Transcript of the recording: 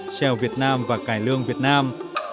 treo việt nam và cải lương việt nam